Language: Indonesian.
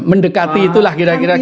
mendekati itulah kira kira